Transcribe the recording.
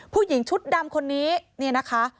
ผู้หญิงชุดดำคนนี้เนี่ยนะคะ